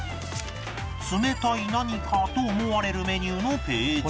冷たい何かと思われるメニューのページ